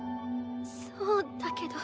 そうだけど。